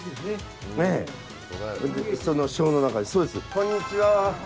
こんにちは。